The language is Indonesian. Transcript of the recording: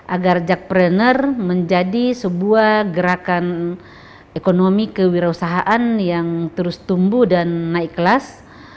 agar jackpreneur menjadi sebuah gerakan ekonomi kewirausahaan yang terus tumbuh dan naik kelas